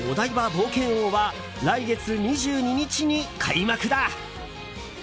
冒険王は来月２２日に開幕だ。